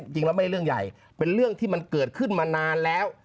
จริงแล้วไม่ได้เรื่องใหญ่เป็นเรื่องที่มันเกิดขึ้นมานานแล้ว